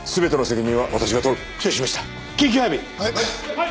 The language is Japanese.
はい！